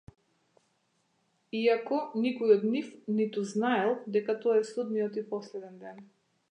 Иако никој од нив ниту знаел дека тоа е судниот и последен ден.